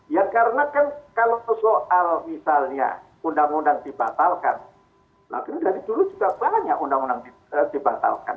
ya karena kan kalau soal misalnya undang undang dibatalkan akhirnya dari dulu juga banyak undang undang dibatalkan